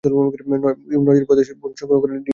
You নয়টি প্রদেশ থেকে ব্রোঞ্জ সংগ্রহ করে ডিং নির্মাণ করেন।